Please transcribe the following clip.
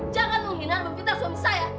jangan menghina meminta suami saya